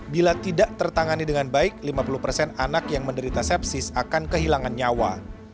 bila tidak tertangani dengan baik lima puluh persen anak yang menderita sepsis akan kehilangan nyawa